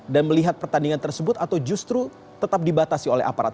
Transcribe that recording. melihat pertandingan tersebut atau justru tetap dibatasi oleh aparat